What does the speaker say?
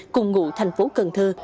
cùng ngụ tp cần thơ